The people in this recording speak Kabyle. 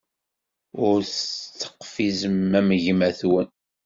Ur teqfizem am gma-twen.